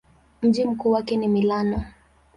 Mji mkuu wake ni Milano.